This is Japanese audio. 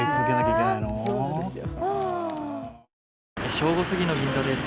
正午すぎの銀座です。